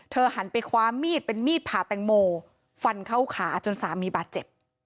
หันไปคว้ามีดเป็นมีดผ่าแตงโมฟันเข้าขาจนสามีบาดเจ็บ